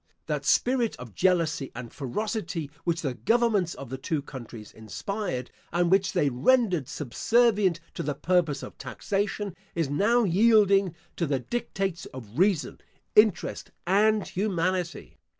That spirit of jealousy and ferocity, which the governments of the two countries inspired, and which they rendered subservient to the purpose of taxation, is now yielding to the dictates of reason, interest, and humanity.